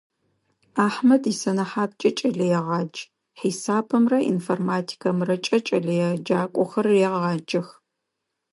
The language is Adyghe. Ахьмэд исэнэхьаткӀэ кӀэлэегъадж, хьисапымрэ информатикэмрэкӀэ кӀэлэеджакӀохэр регъаджэх.